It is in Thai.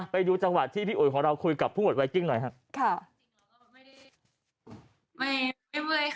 ไปดูจังหวะที่พี่อุ๋ยของเราคุยกับผู้อวดไวกิ้งหน่อยครับ